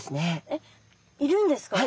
えっいるんですか？